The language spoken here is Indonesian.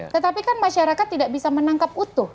tetapi kan masyarakat tidak bisa menangkap utuh